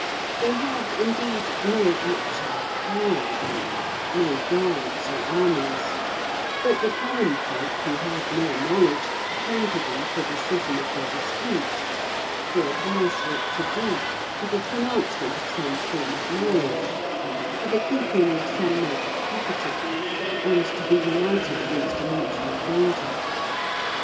They had, indeed, no actual power then, no guards or armies; but the common folk, who had no knowledge, came to them for decision of their disputes, for advice what to do, for the pronouncement of some form of marriage, for the keeping of some note of property, and to be united against a mutual danger.